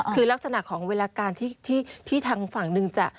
คือลักษณะของเวลาการที่ทางฝั่งหนึ่งจะ